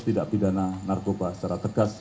pindah pindahan narkoba secara tegas